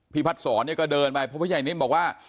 พี่พัดสอนเนี่ยก็เดินไปเพราะว่าพระเจ้านิ่มบอกว่า